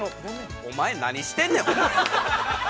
お前、何してんねん。